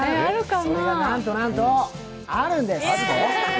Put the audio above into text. それがなんとなんと、あるんです！